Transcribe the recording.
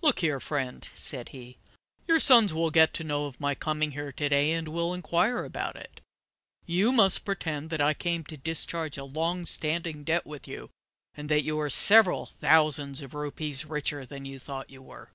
"Look here, friend," said he. "Your sons will get to know of my coming here to day, and will inquire about it. You must pretend that I came to discharge a long standing debt with you, and that you are several thousands of rupees richer than you thought you were.